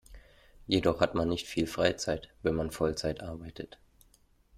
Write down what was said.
Jedoch hat man nicht viel Freizeit, wenn man Vollzeit arbeitet.